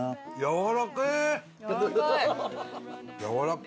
やわらかい！